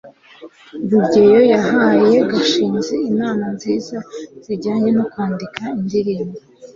rugeyo yahaye gashinzi inama nziza zijyanye no kwandika indirimbo